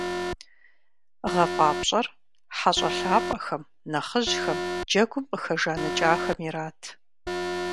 ГъэфӀапщӀэр - хьэщӀэ лъапӀэхэм, нэхъыжьхэм, джэгум къыхэжаныкӀахэм ират.